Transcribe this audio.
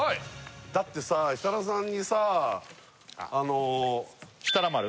だってさ設楽さんにさあのしたらまる？